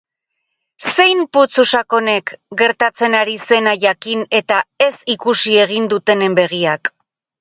Zein putzu sakonek, gertatzen ari zena jakin eta ez-ikusi egin dutenen begiak?